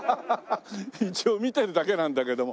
一応見てるだけなんだけども。